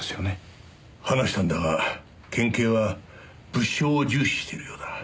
話したんだが県警は物証を重視しているようだ。